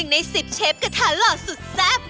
๑ใน๑๐เชฟกระทะหลอดสุดแซ่บ